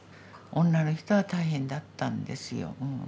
女の人は大変だったんですよ。